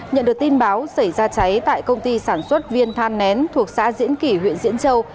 nhận được tin báo xảy ra cháy tại công ty sản xuất viên than nén thuộc xã diễn kỷ huyện diễn châu